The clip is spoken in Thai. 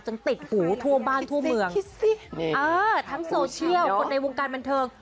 ติดหูทั่วบ้านทั่วเมืองทั้งโซเชียลคนในวงการบันเทิง